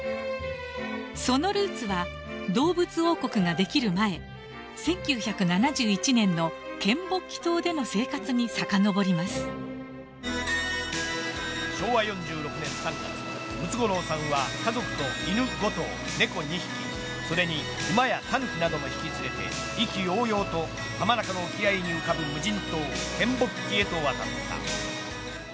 そのルーツは動物王国ができる前１９７１年の嶮暮帰島での生活に昭和４６年３月ムツゴロウさんは家族と犬５頭、猫２匹それに馬やタヌキなどを引き連れて、意気揚々と浜中の沖合に浮かぶ無人島嶮暮帰へと渡った。